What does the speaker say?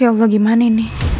ya allah gimana ini